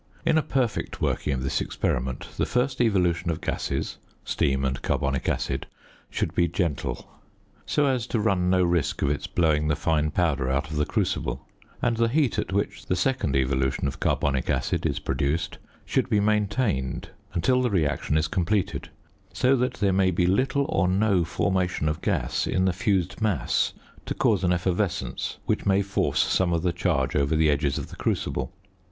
In a perfect working of this experiment, the first evolution of gases (steam and carbonic acid) should be gentle, so as to run no risk of its blowing the fine powder out of the crucible; and the heat at which the second evolution of carbonic acid is produced should be maintained until the reaction is completed, so that there may be little or no formation of gas in the fused mass to cause an effervescence which may force some of the charge over the edges of the crucible.